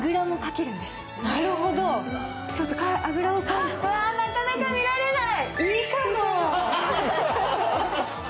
うわ、なかなか見られない！